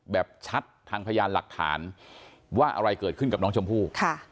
แบบชัดทางพยานหลักฐานว่าอะไรเกิดขึ้นกับน้องชมพู่